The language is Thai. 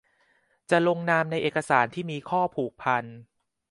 จะลงนามในเอกสารที่มีข้อผูกพัน